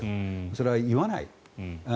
それは言わない。